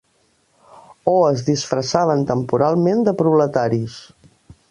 O es disfressaven temporalment de proletaris.